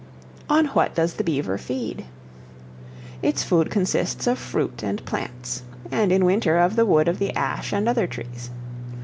On what does the Beaver feed? Its food consists of fruit and plants; and in winter, of the wood of the ash and other trees.